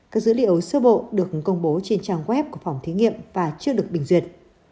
các dữ liệu sơ bộ được công bố trên trang web của phòng thí nghiệm và chưa được bình duyệt